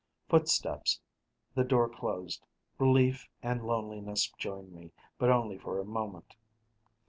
Footsteps: the door closed; relief and loneliness joined me, but only for a moment.